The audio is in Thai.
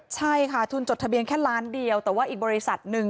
ใช่ค่ะทุนจดทะเบียนแค่ล้านเดียวแต่ว่าอีกบริษัทหนึ่ง